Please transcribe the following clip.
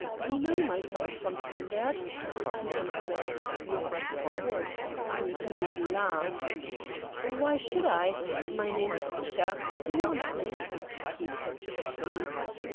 "Deny myself, von Fromberg," he answered, with a forced, uneasy laugh. "Why should I? My name is Fisher. Do you want me?" he said to the two.